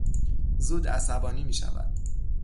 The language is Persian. زود عصبانی میشود.